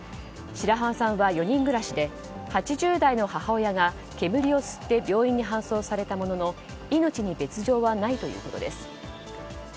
白濱さんは４人暮らしで８０代の母親が煙を吸って病院に搬送されたものの命に別条はないということです。